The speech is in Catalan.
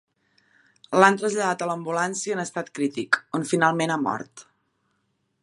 L'han traslladat a l'ambulància en estat crític, on finalment ha mort.